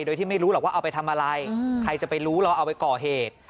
โดยที่ไม่รู้หรอกว่าเอาไปทำอะไรใครจะไปรู้เราเอาไปก่อเหตุ